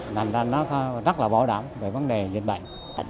nó rất là bỏ đảm về vấn đề dịch bệnh